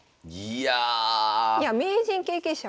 いや名人経験者。